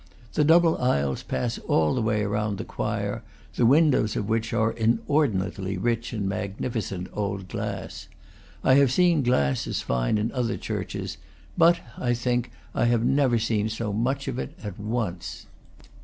The double aisles pass all the way round the choir, the windows of which are inordinately rich in magnificent old glass. I have seen glass as fine in other churches; but I think I have never seen so much of it at once.